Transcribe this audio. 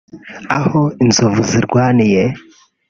Aho inzovu zirwaniye